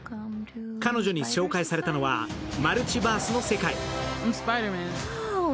彼女に紹介されたのは、マルチバースの世界。